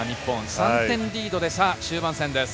３点リードで終盤戦です。